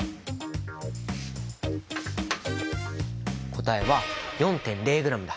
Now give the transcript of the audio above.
答えは４．０ｇだ。